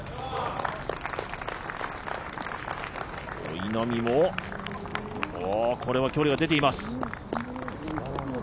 稲見も、これは距離が出ています。